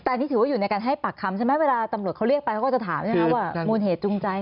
แต่อันนี้ถือว่าอยู่ในการให้ปากคำใช่ไหมเวลาตำรวจเขาเรียกไปเขาก็จะถามใช่ไหมครับว่ามูลเหตุจูงใจ